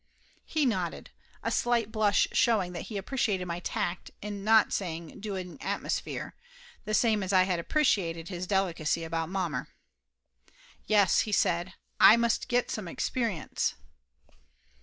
He nodded, a slight blush showing that he appre Laughter Limited 129 ciated my tact in not saying "doing atmosphere," the same as I had appreciated his delicacy about mommer. "Yes," he says. "Aye must get some experience."